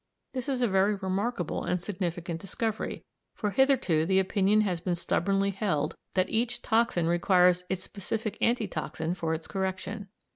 This is a very remarkable and significant discovery, for hitherto the opinion has been stubbornly held that each toxin requires its specific anti toxin for its correction.